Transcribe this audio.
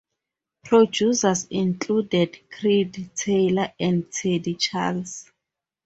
Producers included Creed Taylor and Teddy Charles.